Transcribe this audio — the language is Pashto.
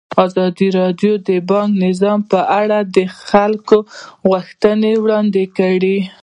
ازادي راډیو د بانکي نظام لپاره د خلکو غوښتنې وړاندې کړي.